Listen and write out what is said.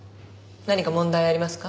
何か問題ありますか？